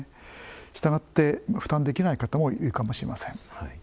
したがって負担できない方もいるかもしれません。